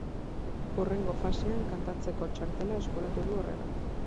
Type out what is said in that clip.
Hurrengo fasean kantatzeko txartela eskuratu du horrela.